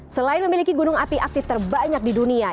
selain memiliki gunung api aktif terbanyak di dunia